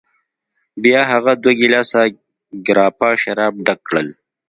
بیا هغه دوه ګیلاسه ګراپا شراب ډک کړل.